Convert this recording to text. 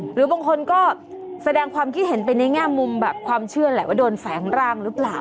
หรือบางคนก็แสดงความคิดเห็นไปในแง่มุมแบบความเชื่อแหละว่าโดนแฝงร่างหรือเปล่า